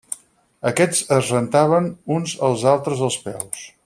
Aquests es rentaven uns als altres els peus.